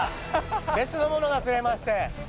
別のものが釣れまして。